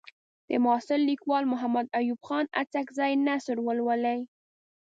د معاصر لیکوال محمد ایوب خان اڅکزي نثر ولولئ.